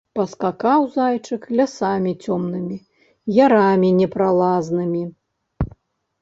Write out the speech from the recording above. Паскакаў зайчык лясамі цёмнымі, ярамі непралазнымі.